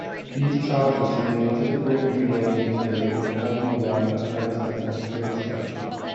These trousers remain typical everyday menswear in modern Iran, Afghanistan and Kurdistan.